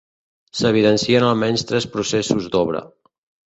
S'evidencien almenys tres processos d'obra.